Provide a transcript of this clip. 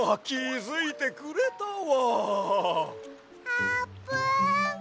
あーぷん？